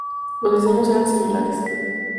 Los diseños eran similares.